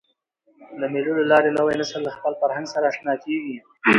د مېلو له لاري نوی نسل له خپل فرهنګ سره اشنا کېږي.